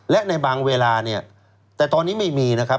และในบางเวลาเนี่ยแต่ตอนนี้ไม่มีนะครับ